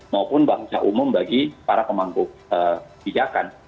maupun bahasa umum bagi para pemangku pijakan